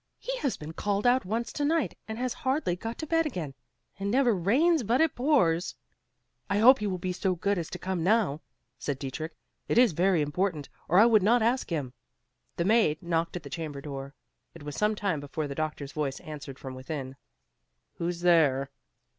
He has been called out once to night, and has hardly got to bed again. It never rains but it pours!" "I hope he will be so good as to come now;" said Dietrich, "it is very important or I would not ask him." The maid knocked at the chamber door. It was some time before the doctor's voice answered from within, "Who's there?"